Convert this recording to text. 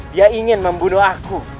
dia ingin membunuh aku